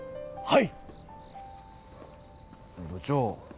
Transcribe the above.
はい。